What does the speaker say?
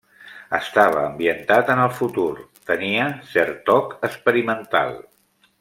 Estava ambientat en el futur, tenia cert toc experimental.